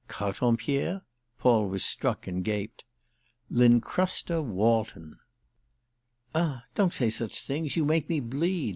"Carton pierre?" Paul was struck, and gaped. "Lincrusta Walton!" "Ah don't say such things—you make me bleed!"